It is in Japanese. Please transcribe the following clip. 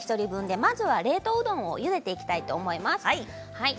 まずは冷凍うどんをゆでていきたいと思います。